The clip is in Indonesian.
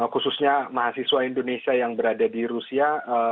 khususnya mahasiswa indonesia yang berada di rusia